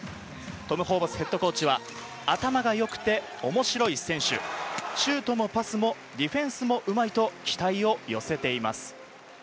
トム・ホーバスＨＣは頭が良くて面白い選手、シュートもパスもディフェンスもうまいと期待を寄せています。